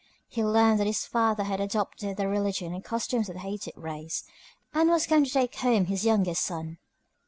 He learned that this father had adopted the religion and customs of the hated race, and was come to take home his youngest son.